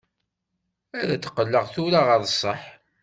Ad d-qqleɣ tura ɣer ṣṣeḥ.